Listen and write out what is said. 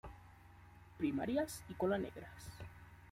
Primarias y cola negras.